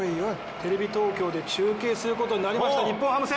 テレビ東京で中継することになりました日本ハム戦。